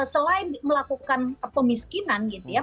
selain melakukan pemiskinan gitu ya